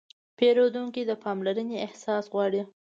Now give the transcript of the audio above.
پیرودونکی د پاملرنې احساس غواړي.